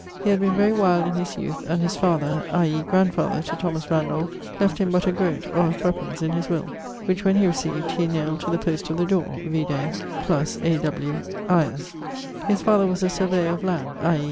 He had been very wild in his youth; and his father (i.e. grandfather to Thomas Randolph) left him but a groat or 3_d._ in his will, which when he recieved he nailed to the post of the dore vide + A. W. lres. His father was a surveyor of land, i.